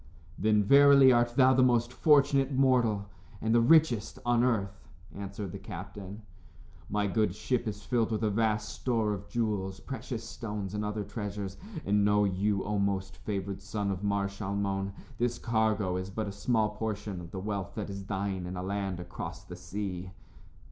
"Then, verily, art thou the most fortunate mortal, and the richest, on earth," answered the captain. "My good ship is filled with a vast store of jewels, precious stones and other treasures. And know you, O most favored son of Mar Shalmon, this cargo is but a small portion of the wealth that is thine in a land across the sea."